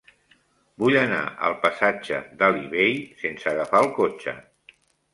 Vull anar al passatge d'Alí Bei sense agafar el cotxe.